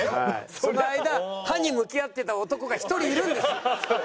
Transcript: その間歯に向き合ってた男が１人いるんです！